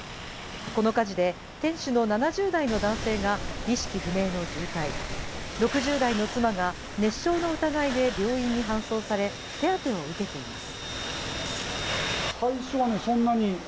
この火事で店主の７０代の男性が意識不明の重体、６０代の妻が熱傷の疑いで病院に搬送され、手当てを受けています。